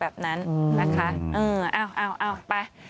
แบบนั้นนะคะเอ้าไป